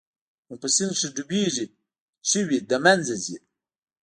نو په سيند کښې ډوبېږي چوي د منځه ځي.